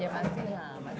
ya masih lah